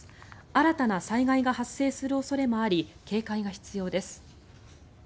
新たな災害が発生する恐れもあり警戒が必要です。